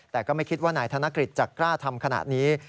แต่ก็ไม่คิดว่านายธนกฤษจะกล้าทำขนาดนี้